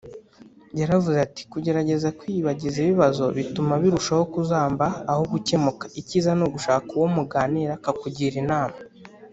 yaravuze ati kugerageza kwiyibagiza ibibazo bituma birushaho kuzamba aho gukemuka icyiza ni ugushaka uwo muganira akakugira inama.